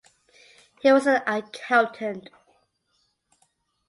He was an accountant.